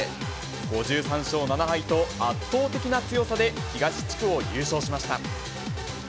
５３勝７敗と、圧倒的な強さで、東地区を優勝しました。